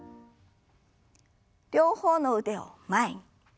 両方の腕を前に。